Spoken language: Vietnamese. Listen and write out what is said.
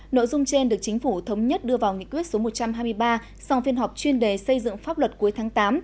nội dung trên được chính phủ thống nhất đưa vào nghị quyết số một trăm hai mươi ba sau phiên họp chuyên đề xây dựng pháp luật cuối tháng tám